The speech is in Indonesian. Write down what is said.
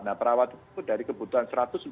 nah perawat itu dari kebutuhan satu ratus lima puluh